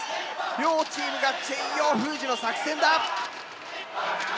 両チームがチェイヨー封じの作戦だ！